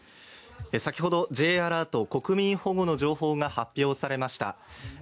先ほどＪアラート、国民保護の情報が発表されました。